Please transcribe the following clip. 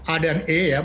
a dan e ya